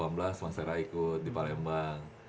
mas sarah ikut di palembang